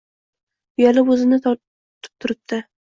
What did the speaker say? Uyalib o`zini tortib turibdi